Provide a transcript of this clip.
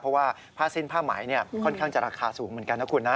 เพราะว่าผ้าสิ้นผ้าไหมค่อนข้างจะราคาสูงเหมือนกันนะคุณนะ